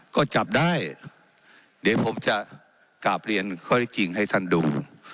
ก็จับได้เดี๋ยวผมจะกราบเรียนข้อได้จริงให้ท่านดู